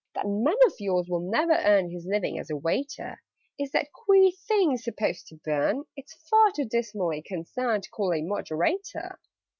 "That man of yours will never earn His living as a waiter! Is that queer thing supposed to burn? (It's far too dismal a concern To call a Moderator).